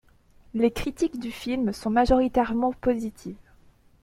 Les critiques du film sont majoritairement positives.